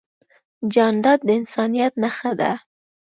جانداد د انسانیت نښه ده.